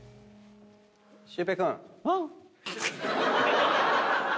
シュウペイ君。